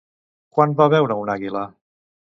Quan va veure una àguila?